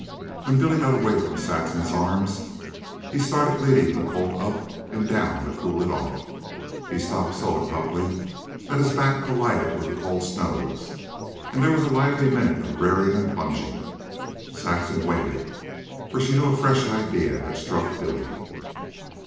When Billy got away from Saxon's arms, he started leading the colt up and down to cool it off. He stopped so abruptly that his back collided with the colt's nose, and there was a lively minute of rearing and plunging. Saxon waited, for she knew a fresh idea had struck Billy.